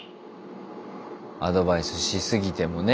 アドバイスしすぎてもねぇ。